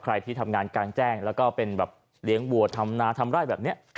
ที่ทำงานกลางแจ้งแล้วก็เป็นแบบเลี้ยงวัวทำนาทำไร่แบบนี้